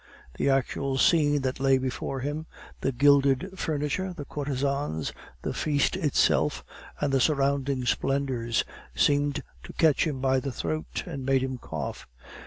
The actual scene that lay before him, the gilded furniture, the courtesans, the feast itself, and the surrounding splendors, seemed to catch him by the throat and made him cough.